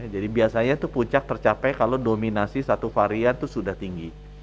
jadi biasanya itu puncak tercapai kalau dominasi satu varian itu sudah tinggi